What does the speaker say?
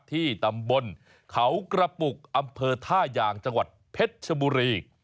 ที่ตำบลเขากระปุกอำเภอท่ายางจังหวัดเพชรชบุรี